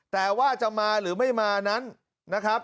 แต่ว่าจะมาหรือไม่มานั้นนะครับ